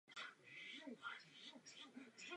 Včely jsou pro opylení rostlin nepostradatelné.